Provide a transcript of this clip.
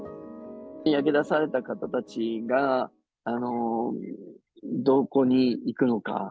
焼け出された方たちが、どこに行くのか。